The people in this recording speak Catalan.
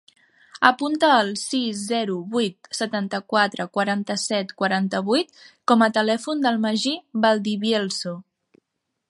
Apunta el sis, zero, vuit, setanta-quatre, quaranta-set, quaranta-vuit com a telèfon del Magí Valdivielso.